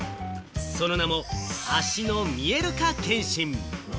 その名も足の見えるか検診。